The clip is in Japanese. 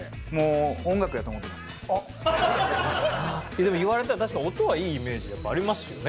でも言われたら確かに音はいいイメージありますよね。